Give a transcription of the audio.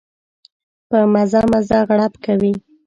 په مزه مزه غړپ کوي.